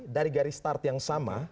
dari garis start yang sama